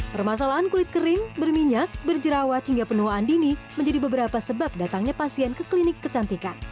permasalahan kulit kering berminyak berjerawat hingga penuaan dini menjadi beberapa sebab datangnya pasien ke klinik kecantikan